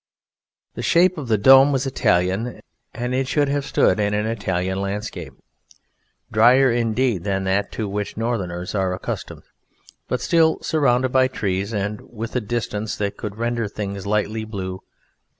The shape of the dome was Italian, and it should have stood in an Italian landscape, drier indeed than that to which Northerners are accustomed, but still surrounded by trees, and with a distance that could render things lightly blue.